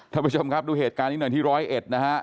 ท่านผู้ชมครับดูเหตุการณ์นี้หน่อยที่ร้อยเอ็ดนะฮะ